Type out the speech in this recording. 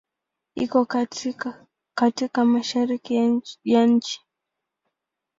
Iko katika Mashariki ya nchi.